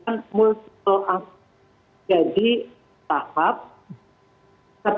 jadi tahap setelah semua kriteria itu dipenuhi